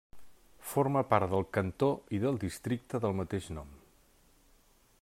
Forma part del cantó i del districte del mateix nom.